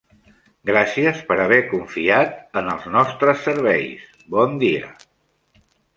Gràcies per haver confiat en els nostres serveis, bon dia.